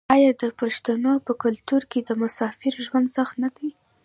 آیا د پښتنو په کلتور کې د مسافرۍ ژوند سخت نه دی؟